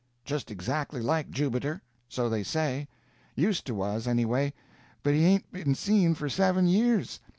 "Just exactly like Jubiter—so they say; used to was, anyway, but he hain't been seen for seven years.